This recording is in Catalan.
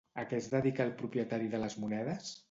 A què es dedica el propietari de les monedes?